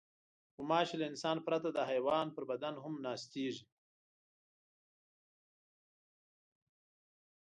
غوماشې له انسان پرته د حیوان پر بدن هم ناستېږي.